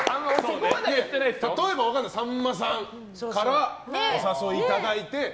例えば、さんまさんからお誘いいただいて。